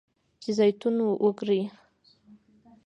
چې زیتون وکري.